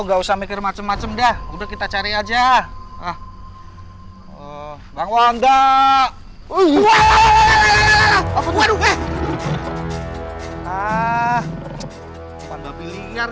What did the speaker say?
nggak usah mikir macem macem dah udah kita cari aja ah bang wanda uh waduh ah ah pandapi liar